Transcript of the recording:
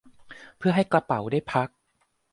เพื่อให้กระเป๋าได้พัก